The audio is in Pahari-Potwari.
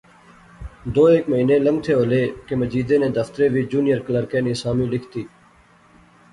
دو ہیک مہینے لنگتھے ہولے کہ مجیدے نے دفترے وچ جونیئر کلرکے نی سامی لکھتی